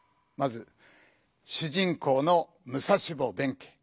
まず主人公の武蔵坊弁慶。